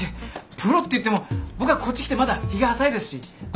プロっていっても僕はこっち来てまだ日が浅いですしここは真島先輩に。